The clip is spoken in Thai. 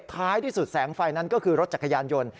ท้ายที่สุดแสงไฟนั้นก็คือรถจักรยานยนต์